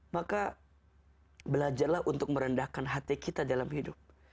maka belajarlah untuk merendahkan hati kita dalam hidup